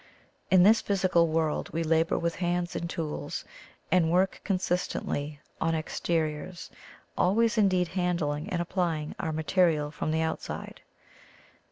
In this physical world we labour with hands and tools, and work con sistently on exteriors, always indeed han dling and applying our material from the outside.